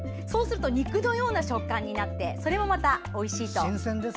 肉のような食感になってそれもまた、おいしいと。